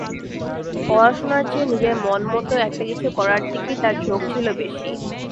পড়াশোনার চেয়ে নিজের মনমতো একটা কিছু করার দিকেই তাঁর ঝোঁক ছিল বেশি।